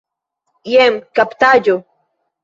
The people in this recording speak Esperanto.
jen kaptaĵo!